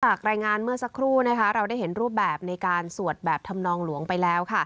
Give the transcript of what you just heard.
รายงานเมื่อสักครู่เราได้เห็นรูปแบบในการสวดแบบธรรมนองหลวงไปแล้ว